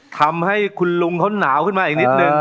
ทำให้คุณลุงเขาหนาวขึ้นมาอีกนิดนึง